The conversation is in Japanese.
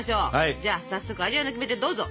じゃあ早速味わいのキメテどうぞ！